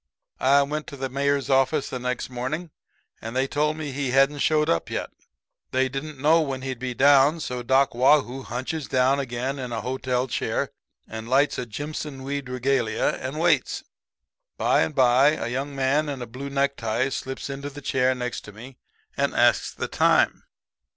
"I went to the Mayor's office the next morning and they told me he hadn't showed up yet. They didn't know when he'd be down. So Doc Waugh hoo hunches down again in a hotel chair and lights a jimpson weed regalia, and waits. "By and by a young man in a blue necktie slips into the chair next to me and asks the time.